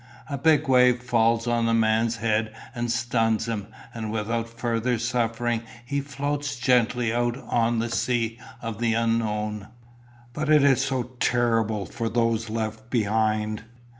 A big wave falls on the man's head and stuns him, and without further suffering he floats gently out on the sea of the unknown." "But it is so terrible for those left behind!"